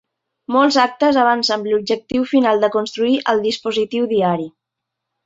Molts actes avancen l'objectiu final de construir el dispositiu diari.